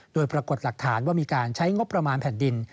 โดยปรากฏหลักฐานว่ามีการใช้งบประมาณแผ่นดิน